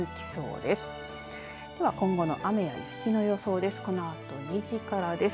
では今後の雨や雪の予想です。